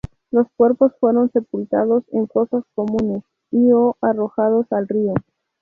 Los cuerpos fueron sepultados en fosas comunes y o arrojados al río.